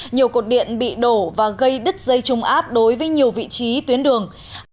nhiều cột điện bị đổ và gây đứt dây trung áp đối với nhiều vị trí tuyến đường